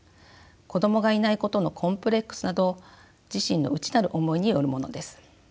子どもがいないことのコンプレックスなど自身の内なる思いによるものです。